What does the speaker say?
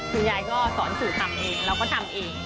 คุณยายก็สอนสื่อทำเองเราก็ทำเอง